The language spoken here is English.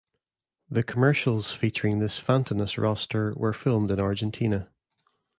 The commercials featuring this Fantanas roster were filmed in Argentina.